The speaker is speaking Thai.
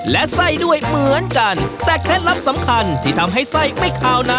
และไส้ด้วยเหมือนกัน